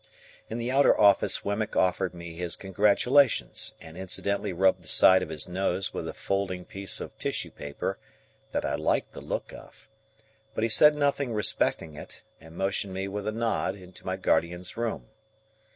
In the outer office Wemmick offered me his congratulations, and incidentally rubbed the side of his nose with a folded piece of tissue paper that I liked the look of. But he said nothing respecting it, and motioned me with a nod into my guardian's room.